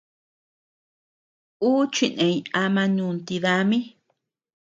Ú chineñ ama nunti dami.